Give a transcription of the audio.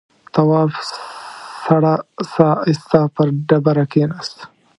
تواب سړه سا ایسته پر ډبره کېناست.